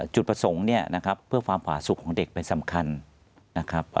จุดประสงค์เนี่ยนะครับเพื่อความผาสุขของเด็กเป็นสำคัญนะครับ